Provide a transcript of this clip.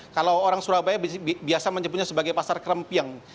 kalau orang surabaya biasa menyebutnya sebagai pasar kerempiang